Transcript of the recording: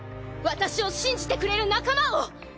私を信じてくれる仲間を！